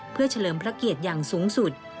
เพื่อเฉลิมพระเกียรติอย่างสูงสุด